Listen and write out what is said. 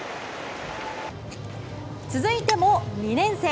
続いても２年生。